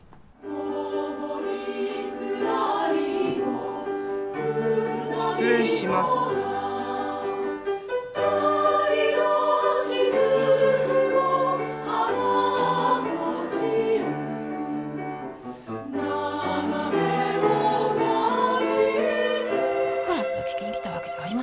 コーラスを聴きに来たわけじゃありませんよね？